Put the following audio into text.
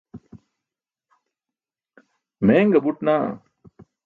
meeṅa buṭ naa